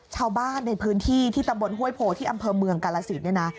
ชาวบ้านในพื้นที่ที่ตำบลห้วยโพที่อำเภอเมืองกาลสินเนี่ยนะ